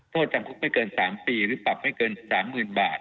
โทษจำคุกไม่เกิน๓ปีหรือปรับไม่เกิน๓๐๐๐บาท